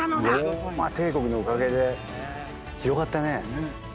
ローマ帝国のおかげで広がったね。